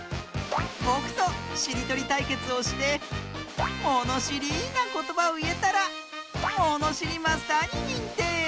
ぼくとしりとりたいけつをしてものしりなことばをいえたらものしりマスターににんてい！